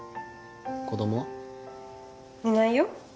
子供は？いないよ。